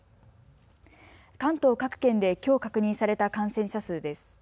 関東各県できょう確認された感染者数です。